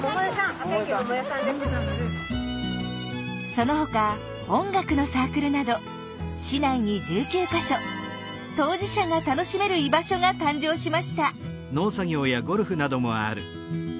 そのほか音楽のサークルなど市内に１９か所当事者が楽しめる居場所が誕生しました。